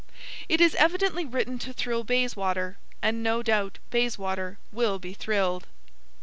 It is evidently written to thrill Bayswater, and no doubt Bayswater will be thrilled.